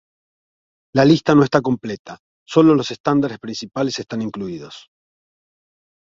La lista no está completa; solo los estándares principales están incluidos.